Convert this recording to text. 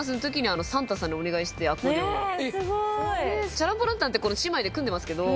チャラン・ポ・ランタンって姉妹で組んでますけど。